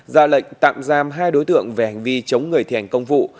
ra lệnh tạm giam hai đối tượng về hành vi chống người thi hành công vụ